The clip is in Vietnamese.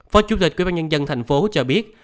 phó chủ tịch quyên bán nhân dân thành phố cho biết